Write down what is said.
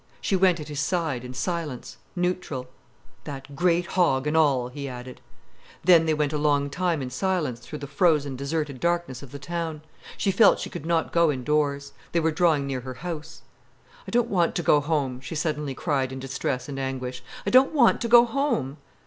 She went at his side, in silence, neutral. "That great hog, an' all," he added. Then they went a long time in silence through the frozen, deserted darkness of the town. She felt she could not go indoors. They were drawing near her house. "I don't want to go home," she suddenly cried in distress and anguish. "I don't want to go home."